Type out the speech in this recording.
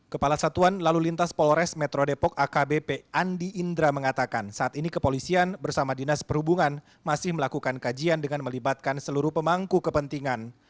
kepala satuan lalu lintas polres metro depok akbp andi indra mengatakan saat ini kepolisian bersama dinas perhubungan masih melakukan kajian dengan melibatkan seluruh pemangku kepentingan